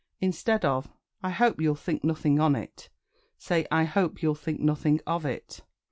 Instead of "I hope you'll think nothing on it," say "I hope you'll think nothing of it."